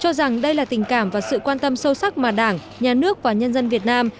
cho rằng đây là tình cảm và sự quan tâm sâu sắc mà đảng nhà nước và nhân dân việt nam